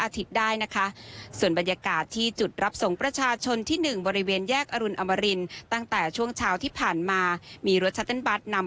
ประหัศจริงได้นะคะส่วนบรรยากาศที่จุดรับทรงประชาชนที่หนึ่งบริเวณแยกอรุณอมรินตั้งแต่ช่วงเช้าที่ผ่านมา